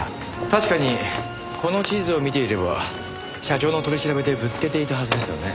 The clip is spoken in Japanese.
確かにこの地図を見ていれば社長の取り調べでぶつけていたはずですよね。